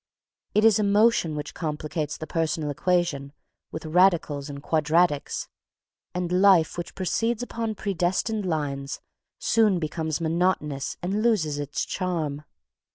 It is emotion which complicates the personal equation with radicals and quadratics, and life which proceeds upon predestined lines soon becomes monotonous and loses its charm.